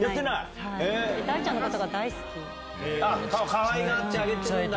かわいがってあげてるんだ！